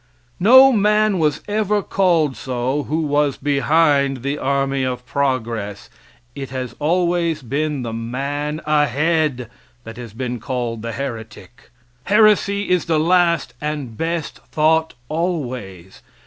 No man was ever called so who was behind the army of progress. It has always been the man ahead that has been called the heretic. Heresy is the last and best thought always.